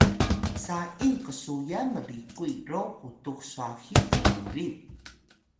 saying qsuyan mlikuy ro qutux swahi knerin